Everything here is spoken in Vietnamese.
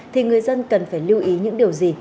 thì người dân cần phải lưu ý những điều gì